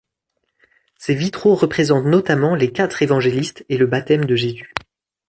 Ses vitraux représentent notamment les Quatre Évangélistes et le baptême de Jésus.